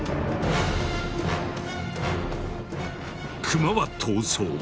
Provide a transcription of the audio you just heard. クマは逃走。